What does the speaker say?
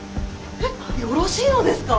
・えっよろしいのですか。